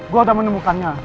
gue udah menemukannya